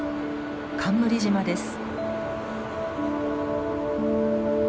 冠島です。